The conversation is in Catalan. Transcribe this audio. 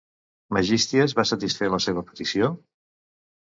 Megisties va satisfer la seva petició?